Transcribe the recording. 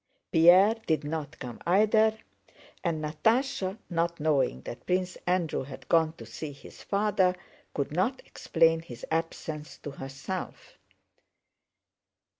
Pierre did not come either and Natásha, not knowing that Prince Andrew had gone to see his father, could not explain his absence to herself.